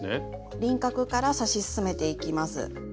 輪郭から刺し進めていきます。